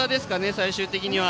最終的には。